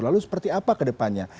lalu seperti apa kedepannya